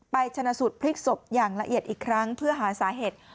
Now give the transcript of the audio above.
ชนะสูตรพลิกศพอย่างละเอียดอีกครั้งเพื่อหาสาเหตุ